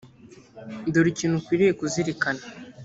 dore ikintu ukwiriye kuzirikana